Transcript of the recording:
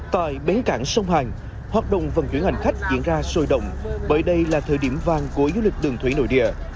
tại bến cảng sông hàn hoạt động vận chuyển hành khách diễn ra sôi động bởi đây là thời điểm vàng của du lịch đường thủy nội địa